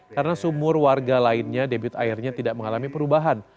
karena sumur warga lainnya debit airnya tidak mengalami perubahan